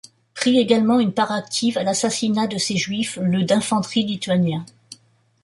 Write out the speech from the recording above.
Prit également une part active à l'assassinat de ces Juifs le d'infanterie lituanien.